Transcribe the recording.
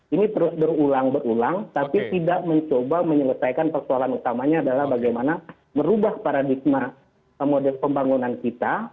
ini terus berulang ulang tapi tidak mencoba menyelesaikan persoalan utamanya adalah bagaimana merubah paradigma model pembangunan kita